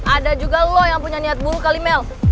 ada juga lo yang punya niat buruk kali mel